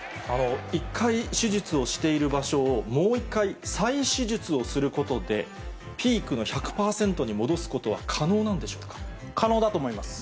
一回手術をしている場所を、もう一回再手術をすることで、ピークの１００％に戻すことは可可能だと思います。